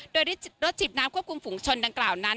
โดยรถจีบน้ำควบคุมฝุงชนดังกล่าวนั้น